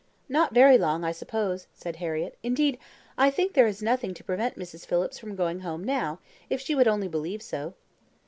"Not very long I suppose," said Harriett. "Indeed, I think there is nothing to prevent Mrs. Phillips from going home now, if she would only believe so."